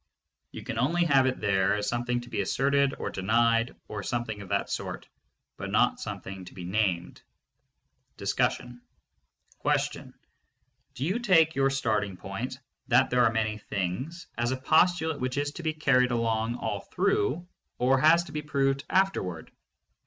You can only have it there as something to be asserted or denied or something of that sort, but not something to be named. DISCUSSION. Do you take your starting point "That there are many things" as a postulate which is to be carried along all through, or has to be proved afterward?